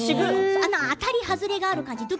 あの、当たり外れがある感じ